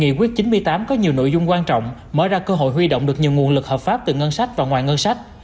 nghị quyết chín mươi tám có nhiều nội dung quan trọng mở ra cơ hội huy động được nhiều nguồn lực hợp pháp từ ngân sách và ngoài ngân sách